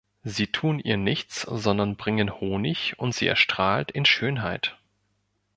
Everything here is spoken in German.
Sie tun ihr nichts, sondern bringen Honig, und sie erstrahlt in Schönheit.